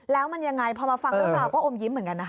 แล้วมันยังไงพอมาฟังเรื่องราวก็อมยิ้มเหมือนกันนะคะ